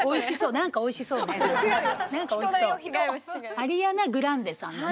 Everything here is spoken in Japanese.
アリアナ・グランデさんのね。